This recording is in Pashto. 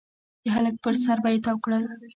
د هلک پر سر به يې تاو کړل.